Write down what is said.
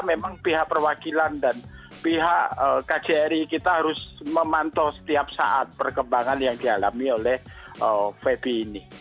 memang pihak perwakilan dan pihak kjri kita harus memantau setiap saat perkembangan yang dialami oleh febi ini